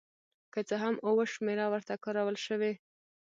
که څه هم اوه شمېره ورته کارول شوې.